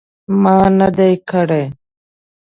ما نه دي کړي